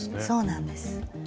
そうなんです。